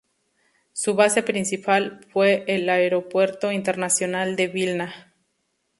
Su base principal fue el Aeropuerto Internacional de Vilna.